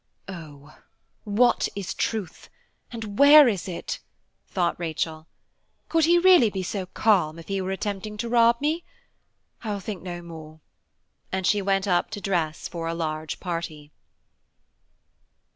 "Oh! what is truth? and where is it?" thought Rachel; "could he really be so calm if he were attempting to rob me? I will think no more," and she went up to dress for a large party.